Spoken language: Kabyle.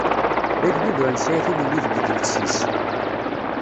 D agdud ur nesɛi tilelli deg idles-is.